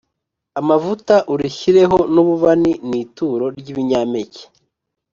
amavuta urishyireho n ububani Ni ituro ry ibinyampeke